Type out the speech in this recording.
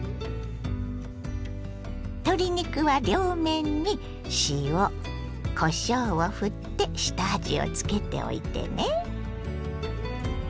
鶏肉は両面に塩こしょうをふって下味をつけておいてね。